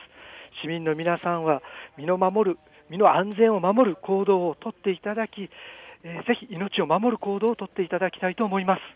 市民の皆さんは、身の安全を守る行動を取っていただき、ぜひ命を守る行動を取っていただきたいと思います。